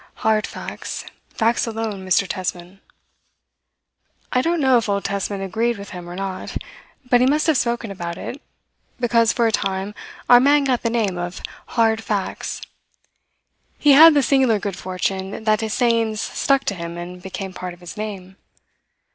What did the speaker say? Hard facts! Facts alone, Mr. Tesman." I don't know if old Tesman agreed with him or not, but he must have spoken about it, because, for a time, our man got the name of "Hard Facts." He had the singular good fortune that his sayings stuck to him and became part of his name.